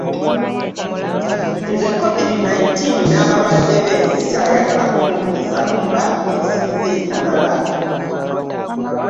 Nze covid nineteen n'abalwadde be sikyayagala kumuwuliriza kuba atutiisizza ekimala.